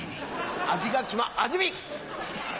味が決ま味見！